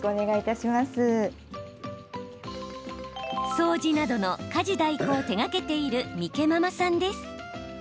掃除などの家事代行を手がけている、みけままさんです。